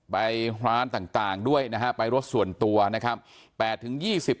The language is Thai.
ไปร้านต่างด้วยนะฮะไปรถส่วนตัวนะครับ